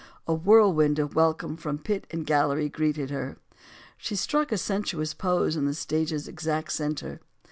A whirlwind of welcome from pit and gallery greeted her. She struck a sensuous pose in the stage's exact center.